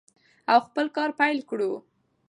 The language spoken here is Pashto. او خپل کار پیل کړو.